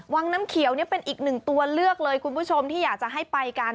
วังน้ำเขียวเนี่ยเป็นอีกหนึ่งตัวเลือกเลยคุณผู้ชมที่อยากจะให้ไปกัน